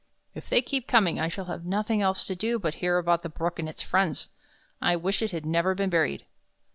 If they keep coming I shall have nothing else to do but hear about the Brook and its friends. I wish it had never been buried."